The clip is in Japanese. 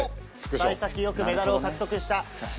幸先よくメダルを獲得した。